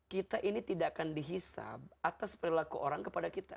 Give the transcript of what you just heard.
kita ini tidak akan dihisap atas perilaku orang kepada kita